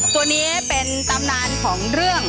ตัวนี้เป็นตำนานของเรื่อง